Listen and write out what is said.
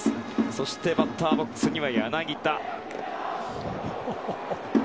そしてバッターボックスに柳田。